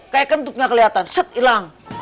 kayak kentut nggak kelihatan set hilang